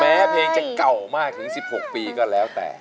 แม้เพลงจะเก่ามากถึง๑๖ปีก็แล้วแต่